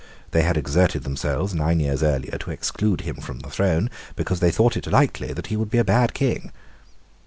They had exerted themselves, nine years earlier, to exclude him from the throne, because they thought it likely that he would be a bad King.